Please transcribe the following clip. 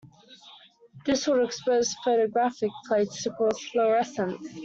This would expose photographic plates and cause fluorescence.